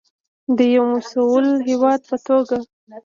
د یو مسوول هیواد په توګه.